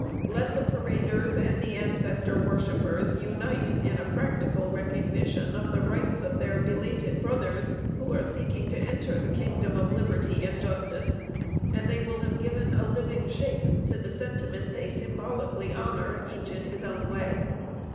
Let the paraders and the ancestor worshipers unite in a practical recognition of the rights of their belated brothers who are seeking to enter the kingdom of liberty and justice, and they will have given a living shape to the sentiment they symbolically honor, each in his own way.